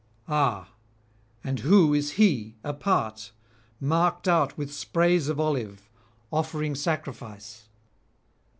Ah, and who is he apart, marked out with sprays of olive, offering sacrifice?